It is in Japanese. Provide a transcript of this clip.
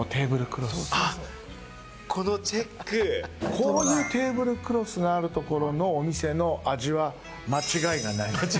こういうテーブルクロスがあるところのお店の味は間違いがない！